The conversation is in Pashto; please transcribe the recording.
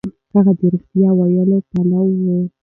هغه د رښتيا ويلو پلوی و.